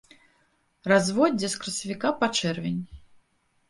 Разводдзе з красавіка па чэрвень.